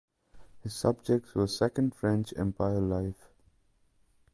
His subjects were Second French Empire life.